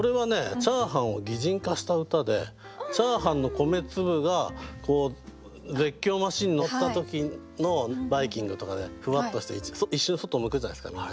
チャーハンを擬人化した歌でチャーハンの米粒が絶叫マシンに乗った時のバイキングとかでふわっとして一瞬外向くじゃないですかみんな。